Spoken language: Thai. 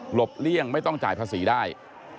บเลี่ยงไม่ต้องจ่ายภาษีได้